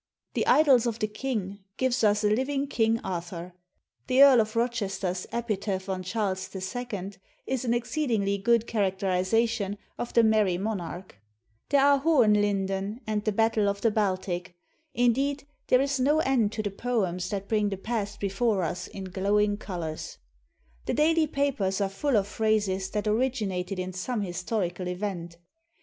The "Idylls of the King" gives us a living King Arthur ; the Earl of Rochester's " Epitaph on Charles II " is an exceedingly good characterization of the merry monarch; there are " Hohenlinden " and "The Battle of xxi INTRODUCTION the Baltic," — indeed there is no end to the poems that bring the past before us in glowing colors. The daily papers are full of phrases that originated in some historical event.